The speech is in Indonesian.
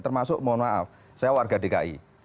termasuk mohon maaf saya warga dki